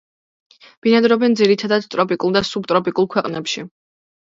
ბინადრობენ ძირითადად ტროპიკულ და სუბტროპიკულ ქვეყნებში.